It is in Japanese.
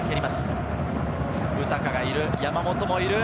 ウタカがいる、山本もいる。